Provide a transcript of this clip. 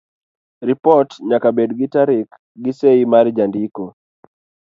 Ripot nyaka bed gi tarik gi sei mar jandiko.